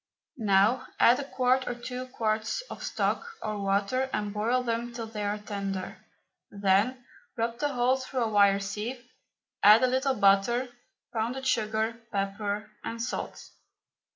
Now add a quart or two quarts of stock or water and boil them till they are tender. Then rub the whole through a wire sieve, add a little butter, pounded sugar, pepper, and salt.